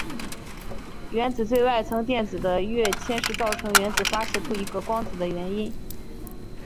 原子最外层电子的跃迁是造成原子发射出一个光子的原因。